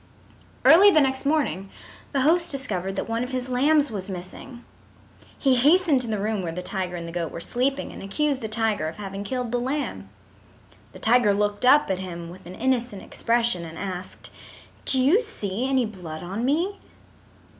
Early the next morning the host discovered that one of his lambs was missing. He hastened to the room where the tiger and the goat were sleeping and accused the tiger of having killed the lamb. The tiger looked up at him with an innocent expression and asked, "Do you see any blood on me?"